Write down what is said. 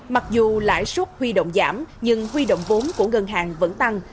mặc dù lãi suất huy động giảm nhưng huy động vốn của ngân hàng vẫn tăng